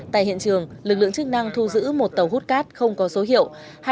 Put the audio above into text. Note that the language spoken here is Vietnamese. tại hiện trường lực lượng chức năng thu giữ một tàu hút cát không có số hiệu